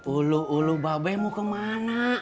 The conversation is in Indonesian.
ulu ulu babe mau kemana